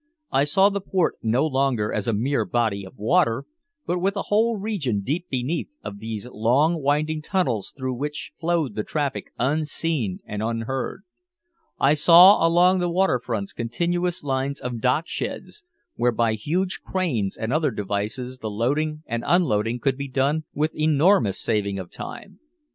I saw the port no longer as a mere body of water, but with a whole region deep beneath of these long winding tunnels through which flowed the traffic unseen and unheard. I saw along the waterfronts continuous lines of docksheds where by huge cranes and other devices the loading and unloading could be done with enormous saving of time.